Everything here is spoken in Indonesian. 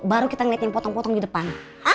baru kita ngeliat yang potong potong di depan